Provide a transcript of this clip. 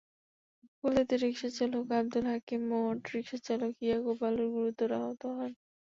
গুলিতে রিকশাচালক আবদুল হাকিম ও অটোরিকশাচালক ইয়াকুব আলী গুরুতর আহত হন।